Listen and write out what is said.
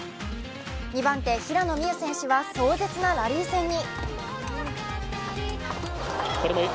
２番手・平野美宇選手は壮絶なラリー戦に。